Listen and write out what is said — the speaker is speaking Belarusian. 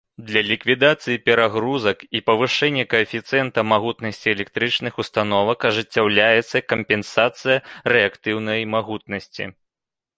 Для ліквідацыі перагрузак і павышэння каэфіцыента магутнасці электрычных установак ажыццяўляецца кампенсацыя рэактыўнай магутнасці.